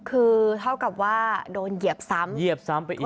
คือเท่ากับว่าโดนเหยียบซ้ำเหยียบซ้ำไปอีก